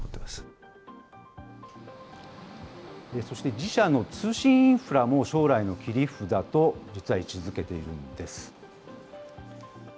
そして自社の通信インフラも将来の切り札と、実は位置づけているんです。